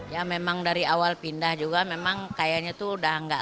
ya memang dari awal pindah juga memang kayaknya itu udah gak lah